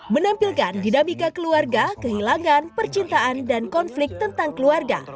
menampilkan dinamika keluarga kehilangan percintaan dan konflik tentang keluarga